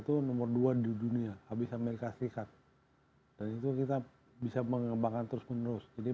itu nomor dua di dunia habis amerika serikat dan itu kita bisa mengembangkan terus menerus jadi